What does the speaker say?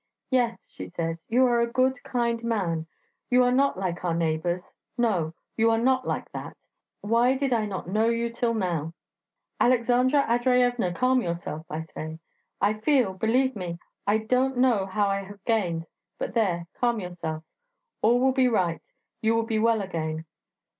'Yes,' she says, 'you are a good, kind man; you are not like our neighbours... No, you are not like that... Why did I not know you till now!' 'Aleksandra Andreyevna, calm yourself,' I say... 'I feel, believe me, I don't know how I have gained ... but there, calm yourself... All will be right; you will be well again.'